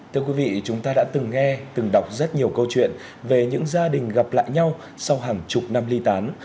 thưa quý vị chúng ta đã từng nghe từng đọc rất nhiều câu chuyện về những gia đình gặp lại nhau sau hàng chục năm ly tán